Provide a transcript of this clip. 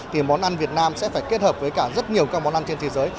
thì món ăn việt nam sẽ phải kết hợp với rất nhiều món ăn trên thế giới